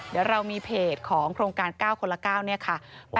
เดี๋ยวเรามีเพจของโครงการ๙คนละ๙เนี่ยค่ะ